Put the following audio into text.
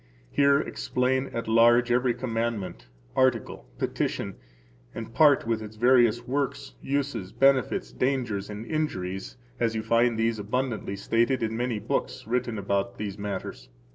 Here explain at large every commandment, [article,] petition, and part with its various works, uses, benefits, dangers, and injuries, as you find these abundantly stated in many books written about these matters.